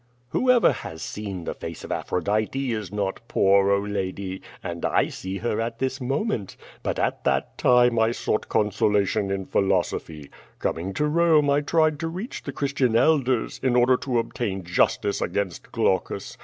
"Whoever has seen the face of Aphrodite is not poor. Oh lady, and I see her at this moment. But at that time I sought consolation in philosophy. Coming to Rome I tried to reach the Christian elders, in order to obtain justice against Glaucus.